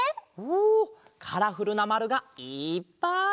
おおカラフルなまるがいっぱい！